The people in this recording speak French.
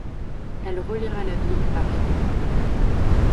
Elle reliera la ville à Reno.